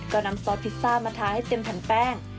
ก็นำซอสพิซซ่ามาทาให้เต็มแผ่นแป้ง